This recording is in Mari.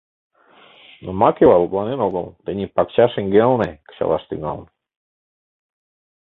Но Макева лыпланен огыл, тений пакча шеҥгелне кычалаш тӱҥалын.